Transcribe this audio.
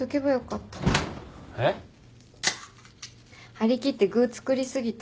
張り切って具作りすぎた。